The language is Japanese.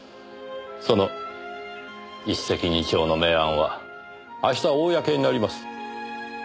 その一石二鳥の名案は明日公になります。